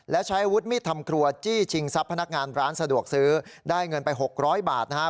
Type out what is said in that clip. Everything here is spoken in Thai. และใช้อาวุธมีดทำครัวจี้ชิงทรัพย์พนักงานร้านสะดวกซื้อได้เงินไป๖๐๐บาทนะครับ